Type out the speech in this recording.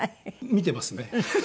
見てますね。